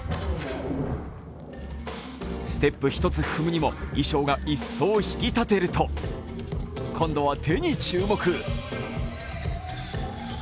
ステップ１つ踏むにも衣装が一層引き立てると今度は手に注目。